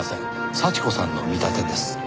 幸子さんの見立てです。